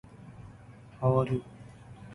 There is also lingas worshipped by Rama.